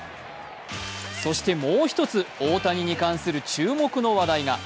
そしてもう一つ、大谷に関する注目の話題が。